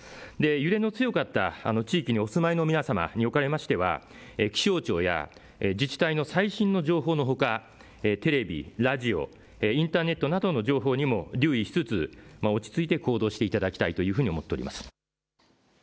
揺れの強かった地域にお住まいの皆さんにおかれましては気象庁や自治体の最新の情報のほかテレビ、ラジオ、インターネットなどの情報にも留意しつつ落ち着いて行動していただきたいというふうに思っております。